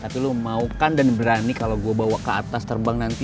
tapi lo mau kan dan berani kalau gue bawa ke atas terbang nanti